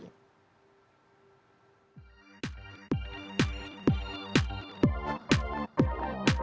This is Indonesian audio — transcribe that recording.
kota tasik malaya